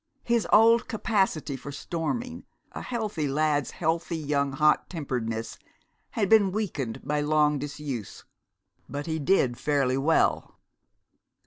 His old capacity for storming, a healthy lad's healthy young hot temperedness, had been weakened by long disuse, but he did fairly well.